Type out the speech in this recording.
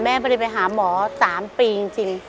ไม่ได้ไปหาหมอ๓ปีจริง